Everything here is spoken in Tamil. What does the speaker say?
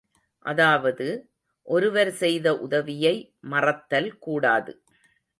அதாவது, ஒருவர் செய்த உதவியை மறத்தல் கூடாது.